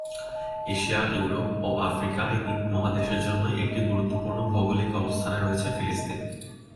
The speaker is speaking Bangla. এশিয়া, ইউরোপ ও আফ্রিকা এই তিন মহাদেশের জন্যই একটি গুরুত্বপূর্ণ ভৌগোলিক অবস্থানে রয়েছে ফিলিস্তিন।